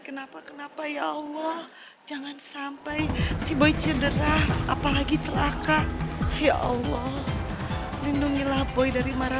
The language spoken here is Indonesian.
kenapa kenapa ya allah jangan sampai si boy cedera apalagi celaka ya allah lindungilah boy dari mana